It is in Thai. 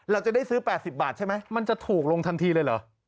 เราจะได้ซื้อ๘๐บาทใช่ไหมมันจะถูกลงทันทีเลยเหรอ